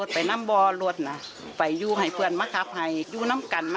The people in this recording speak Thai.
ที่ประหารที่ให้ใส่กันให้หลายอัน